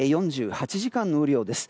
４８時間の雨量です。